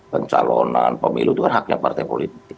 pencalonan pemilu itu kan haknya partai politik